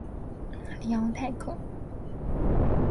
里昂泰克。